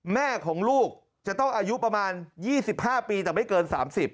แม่ของลูกจะต้องอายุประมาณ๒๕ปีแต่ไม่เกิน๓๐